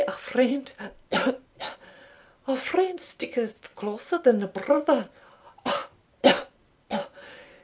a friend sticketh closer than a brither uh!